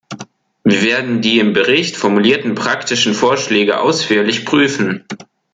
Wir werden die im Bericht formulierten praktischen Vorschläge ausführlich prüfen.